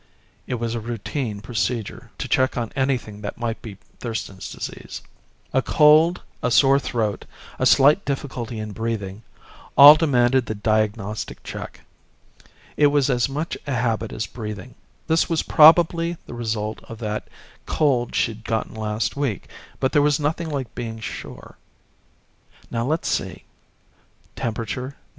It was routine procedure to check on anything that might be Thurston's Disease. A cold, a sore throat, a slight difficulty in breathing all demanded the diagnostic check. It was as much a habit as breathing. This was probably the result of that cold she'd gotten last week, but there was nothing like being sure. Now let's see temperature 99.